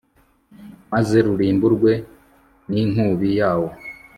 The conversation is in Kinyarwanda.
maze rurimburwe n'inkubi yawo